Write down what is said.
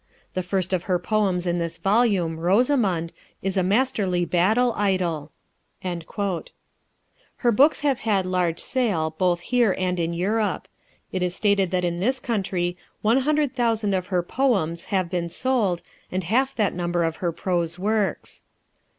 The first of her poems in this volume, Rosamund, is a masterly battle idyl." Her books have had large sale, both here and in Europe. It is stated that in this country one hundred thousand of her Poems have been sold, and half that number of her prose works.